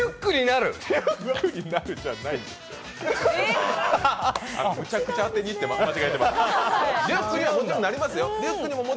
むちゃくちゃ当てにいって間違えてます。